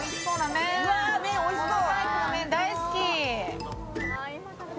うわ、麺おいしそう。